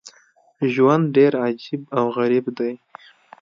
ژوند ډېر عجیب او غریب دی.